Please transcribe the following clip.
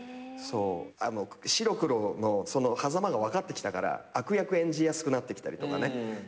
白黒のはざまが分かってきたから悪役演じやすくなってきたりとかね。